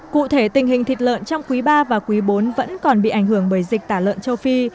cụ thể tình hình thịt lợn trong quý ba và quý bốn vẫn còn bị ảnh hưởng bởi dịch tả lợn châu phi